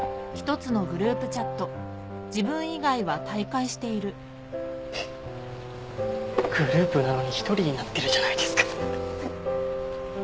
グループなのに１人になってるじゃないですか。